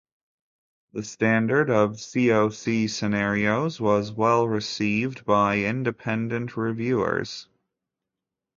The standard of "CoC" scenarios was well received by independent reviewers.